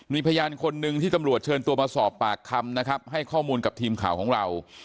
มีพยานคนหนึ่งที่ตำรวจเชิญตัวมาสอบปากคำนะครับให้ข้อมูลกับทีมข่าวของเรา